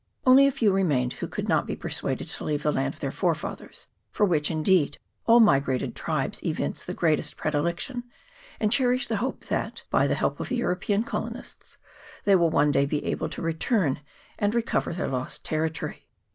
Only a few remained, who could not be persuaded to leave the land of their forefathers, for which, indeed, all mi grated tribes evince the greatest predilection, and CHAP. VII.] MOUNT EGMONT. 133 cherish the hope that, by the help of the European colonists, they will one day be able to return and recover their lost territory.